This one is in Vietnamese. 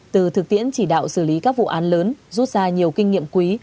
từ thực tiễn chỉ đạo xử lý các vụ án lớn rút ra nhiều kinh nghiệm quý